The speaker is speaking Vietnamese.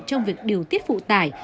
trong việc điều tiết phụ tải